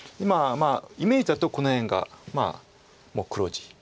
イメージだとこの辺がもう黒地。